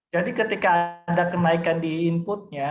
jadi ketika ada kenaikan di inputnya